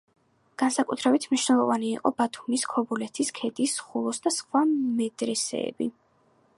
განსაკუთრებით მნიშვნელოვანი იყო ბათუმის, ქობულეთის, ქედის, ხულოს და სხვა მედრესეები.